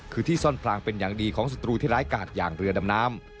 คือที่ซ่อนพลางเป็นอย่างดีของศัตรูที่ร้ายกาดอย่างเรือดำน้ำ